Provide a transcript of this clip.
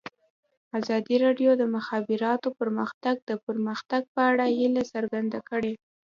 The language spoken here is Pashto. ازادي راډیو د د مخابراتو پرمختګ د پرمختګ په اړه هیله څرګنده کړې.